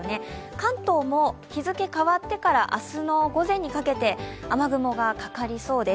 関東も日付変わってから明日の午前にかけて雨雲がかかりそうです。